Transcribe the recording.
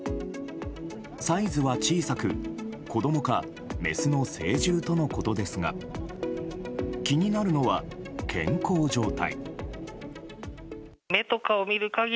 サイズは小さく子供かメスの成獣とのことですが気になるのは健康状態。